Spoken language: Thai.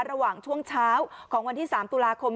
ระหว่างช่วงเช้าของวันที่๓ตุลาคม